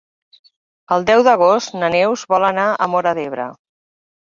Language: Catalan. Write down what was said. El deu d'agost na Neus vol anar a Móra d'Ebre.